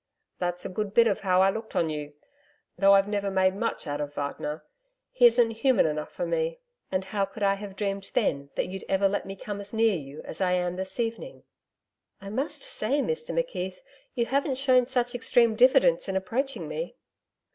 'That's a good bit of how I looked on you though I've never made much out of Wagner he isn't human enough for me.... And how could I have dreamed then that you'd ever let me come as near you as I am this evening!' 'I must say, Mr McKeith, you haven't shown such extreme diffidence in approaching me.'